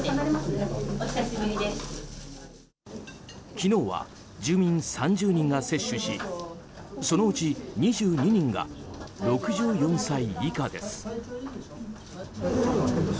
昨日は住民３０人が接種しそのうち２２人が６４歳以下です。